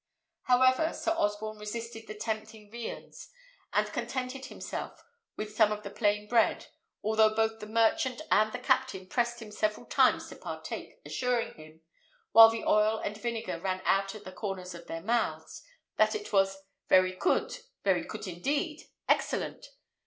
However, Sir Osborne resisted the tempting viands, and contented himself with some of the plain bread, although both the merchant and the captain pressed him several times to partake; assuring him, while the oil and vinegar ran out at the corners of their mouths, that it was "very coot; very coot indeed; excellent!"